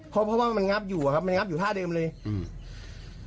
เพราะว่ามันงับอยู่อะครับมันงับอยู่ท่าเดิมเลยอืม